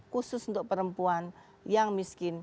khusus untuk perempuan yang miskin